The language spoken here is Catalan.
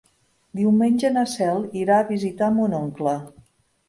Diumenge na Cel irà a visitar mon oncle.